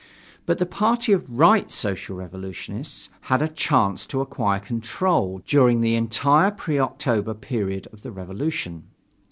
But the party of Right Social Revolutionists had a chance to acquire control during the entire pre October period of the revolution.